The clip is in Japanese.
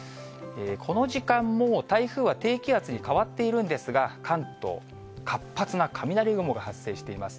この時間もう台風は、低気圧に変わっているんですが、関東、活発な雷雲が発生しています。